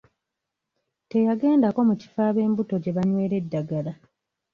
Teyagendako mu kifo ab'embuto gye banywera eddagala.